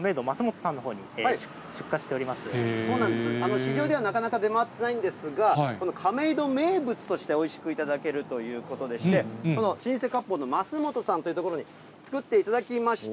市場ではなかなか出回っていないんですが、亀戸名物として、おいしく頂けるということでして、この老舗かっぽうの升本さんというところに作っていただきました。